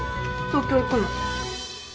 東京行くの。